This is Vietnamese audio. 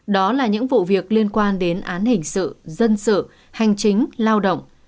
đó là những vụ việc liên quan đến án hình sự dân sự hành chính lao động